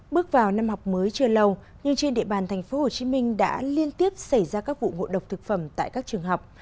bước vào năm học mới chưa lâu nhưng trên địa bàn tp hcm đã liên tiếp xảy ra các vụ ngộ độc thực phẩm tại các trường học